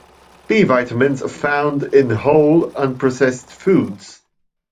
B vitamins are found in whole unprocessed foods.